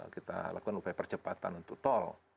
kita lakukan upaya percepatan untuk tol